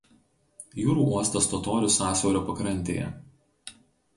Jūrų uostas Totorių sąsiaurio pakrantėje.